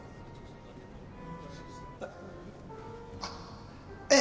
あっええ